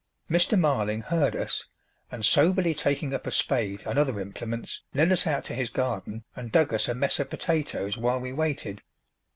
Mr. Marling heard us, and soberly taking up a spade and other implements led us out to his garden and dug us a mess of potatoes while we waited.